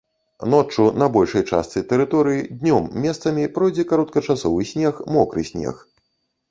Ноччу на большай частцы тэрыторыі, днём месцамі пройдзе кароткачасовы снег, мокры снег.